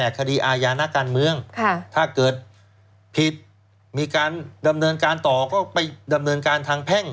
คดีอาญานักการเมืองถ้าเกิดผิดมีการดำเนินการต่อก็ไปดำเนินการทางแพ่ง